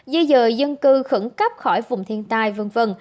di dời dân cư khẩn cấp khỏi vùng thiên tai v v